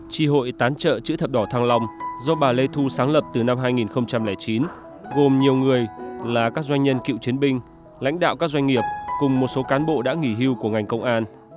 tri hội tán trợ chữ thập đỏ thăng lòng do bà lê thu sáng lập từ năm hai nghìn chín gồm nhiều người là các doanh nhân cựu chiến binh lãnh đạo các doanh nghiệp cùng một số cán bộ đã nghỉ hưu của ngành công an